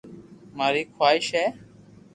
ماري خواݾ ھي